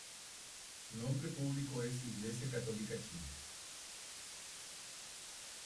Su nombre público es Iglesia Católica China.